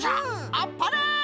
あっぱれ！